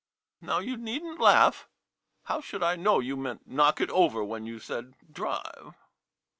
Now, you need n't laugh — how should I know you meant knock it over when you said drive.